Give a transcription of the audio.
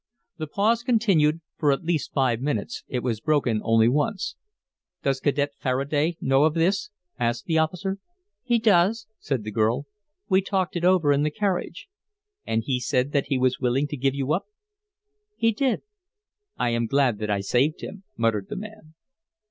The pause continued for at least five minutes; it was broken only once. "Does Cadet Faraday know of this?" asked the officer. "He does," said the girl. "We talked it over in the carriage." "And he said that he was willing to give you up?" "He did." "I am glad that I saved him," muttered the man.